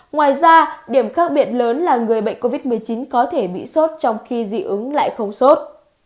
ngoài ra điểm khác biệt lớn là người bệnh covid một mươi chín có thể bị sốt trong khi dị ứng lại không sốt